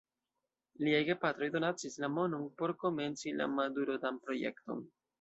Liaj gepatroj donacis la monon por komenci la Madurodam-projekton.